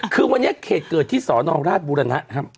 คือวันนี้เขตเกิดที่สนราชบุรณะครับ